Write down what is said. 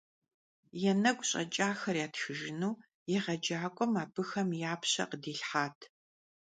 Ya negu ş'eç'axer yatxıjjınu yêğecak'uem abıxem ya pşe khıdilhhat.